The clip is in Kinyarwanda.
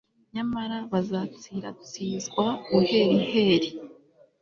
nyamara bazatsiratsizwa buheriheri